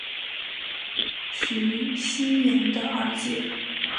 徐熙媛的二姐。